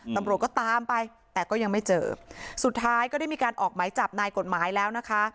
ตำรวจก็ตามไปแต่ก็ยังไม่เจอสุดท้ายก็ได้มีการออกไหมจับนายกฎหมายแล้วนะคะ